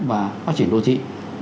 và phát triển đô thị